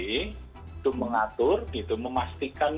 itu mengatur itu memastikan